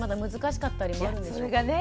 それがね